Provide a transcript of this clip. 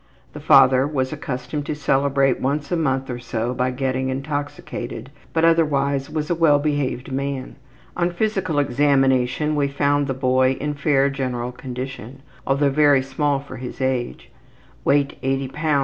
The father was accustomed to celebrate once a month or so by getting intoxicated, but otherwise was a well behaved man. On physical examination we found the boy in fair general condition, although very small for his age. Weight 80 lbs.